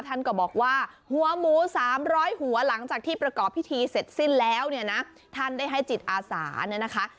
ท่านก็บอกว่าหัวหมู๓๐๐หัวหลังจากที่ประกอบพิธีเสร็จสิ้นแล้วเนี่ยนะท่านได้ให้จิตอาสาเนี่ยนะคะ